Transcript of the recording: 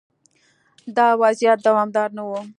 دا وضعیت دوامدار نه و.